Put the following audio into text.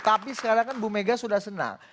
tapi sekarang kan bu mega sudah senang